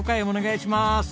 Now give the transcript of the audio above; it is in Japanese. お願いします。